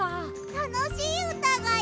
たのしいうたがいい！